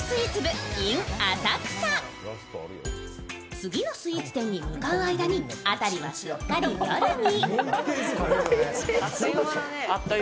次のスイーツ店に向かう間に辺りはすっかり夜に。